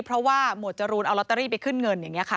เพราะว่าหมวดจรูนเอาลอตเตอรี่ไปขึ้นเงินอย่างนี้ค่ะ